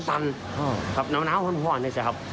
ครับหนาวพร้อมได้ใช่ครับ